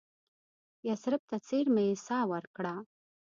یثرب ته څېرمه یې ساه ورکړه.